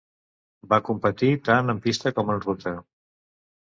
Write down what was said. Va competir tant en pista com en ruta.